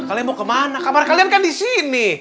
kalian mau kemana kamar kalian kan disini